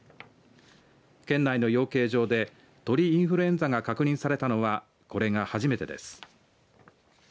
県内の養鶏場で鳥インフルエンザが確認されたのはこれが初めてです。